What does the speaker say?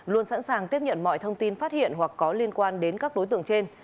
luôn sẵn sàng tiếp nhận mọi thông tin phát hiện hoặc có liên quan đến các đối tượng trên